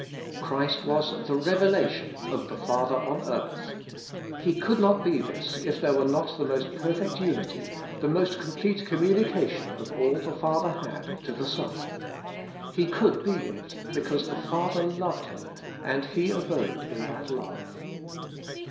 Christ was the revelation of the Father on earth. He could not be this if there were not the most perfect unity, the most complete communication of all the Father had to the Son. He could be it because the Father loved Him, and He abode in that love.